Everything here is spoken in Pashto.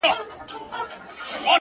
په تا هيـــــڅ خــــبر نـــه يــــم،